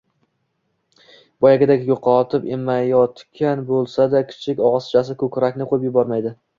Boyagiday yutoqib emmayotgan bo`lsa-da, kichik og`izchasi ko`krakni qo`yib yubormaydi